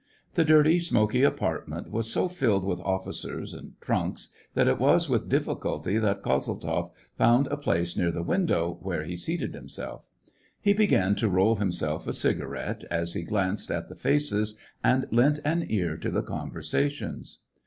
The dirty, smoky apartment .was so filled with officers and trunks that it was with difficulty that Kozeltzoff found a place near the window, where he seated himself ; he began to roll himself a cigarette, as he glanced at the faces and lent an ear to the conversations.